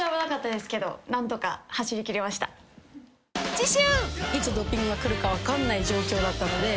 ［次週］